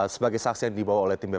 sebagai saksi yang dibawa oleh tim bp